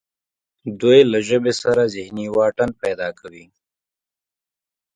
دوی له ژبې سره ذهني واټن پیدا کوي